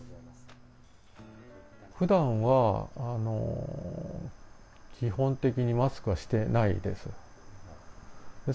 ふだんは基本的にマスクはしてないです。